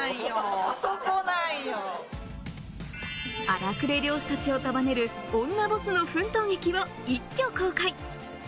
荒くれ漁師たちを束ねる女ボスの奮闘日記を一挙公開！